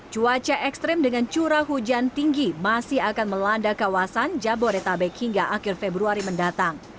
cuaca ekstrim dengan curah hujan tinggi masih akan melanda kawasan jabodetabek hingga akhir februari mendatang